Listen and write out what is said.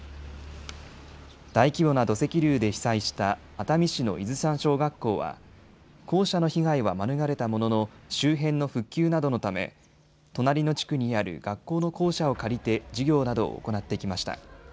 大規模な土石流で被災した熱海市の伊豆山小学校は校舎の被害は免れたものの周辺の復旧などのため隣の地区にある学校の校舎を借りて授業などを行ってきました。